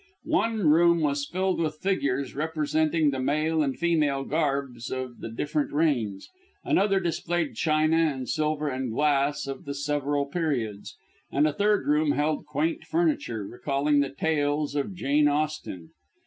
One room was filled with figures representing the male and female garbs of the different reigns; another displayed china and silver and glass of the several periods; and a third room held quaint furniture, recalling the tales of Jane Austen.